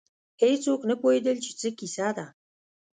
هېڅوک نه پوهېدل چې څه کیسه ده.